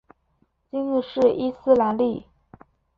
今日是伊斯兰历。